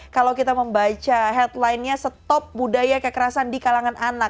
kalau kita membaca headline nya stop budaya kekerasan di kalangan anak